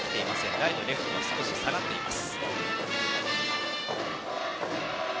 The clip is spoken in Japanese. ライト、レフトは少し下がっています。